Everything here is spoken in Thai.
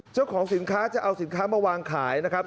เจ้าของสินค้าจะเอาสินค้ามาวางขายนะครับ